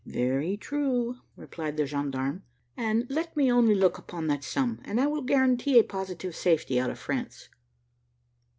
"Very true," replied the gendarme; "and let me only look upon that sum, and I will guarantee a positive safety out of France."